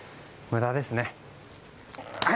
無駄です。